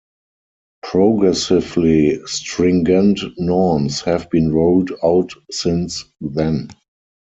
Progressively stringent norms have been rolled out since then.